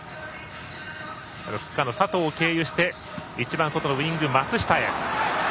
フッカーの佐藤を経由して一番外のウイング、松下へ。